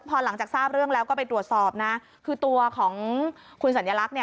พอหลังจากทราบเรื่องแล้วก็ไปตรวจสอบนะคือตัวของคุณสัญลักษณ์เนี่ย